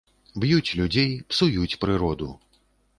Б'юць людзей, псуюць прыроду.